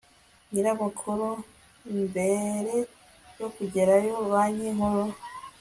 nyir amakuru mbere yo kuyageraho banki nkuru